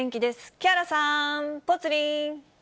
木原さん、ぽつリン。